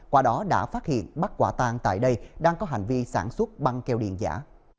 qua đó đã phát hiện bắt quả tan tại đây đang có hành vi sản xuất băng keo điện giả